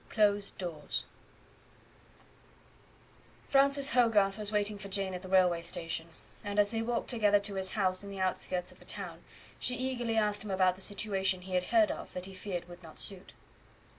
Closed Doors Francis Hogarth was waiting for Jane at the railway station, and as they walked together to his house in the outskirts of the town, she eagerly asked him about the situation he had heard of that he feared would not suit.